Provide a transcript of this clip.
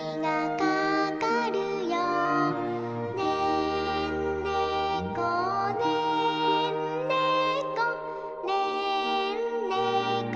「ねんねこねんねこねんねこよ」